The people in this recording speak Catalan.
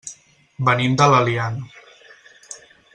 Venim de l'Eliana.